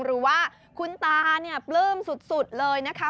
หรือว่าคุณตาเนี่ยปลื้มสุดเลยนะคะ